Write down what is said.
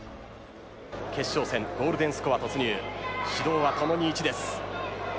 ゴールデンスコア突入指導はともに１です